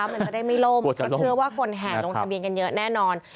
มันจะได้ไม่ล่มก็เชื่อว่าคนแห่ลงทะเบียนกันเยอะแน่นอน